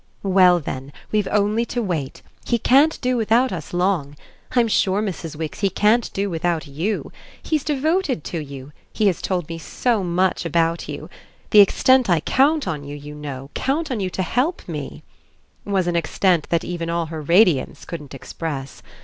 "Well, then we've only to wait. He can't do without us long. I'm sure, Mrs. Wix, he can't do without YOU! He's devoted to you; he has told me so much about you. The extent I count on you, you know, count on you to help me " was an extent that even all her radiance couldn't express.